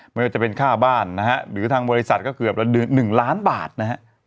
ไม่ว่าจะเป็นค่าบ้านนะฮะหรือทางบริษัทก็เกือบ๑ล้านบาทนะฮะ